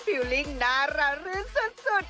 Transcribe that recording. ฟิลลิ่งน่ารักรื่นสุด